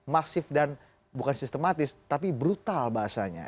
masif dan bukan sistematis tapi brutal bahasanya